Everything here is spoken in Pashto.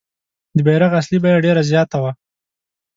د بیرغ اصلي بیه ډېره زیاته وه.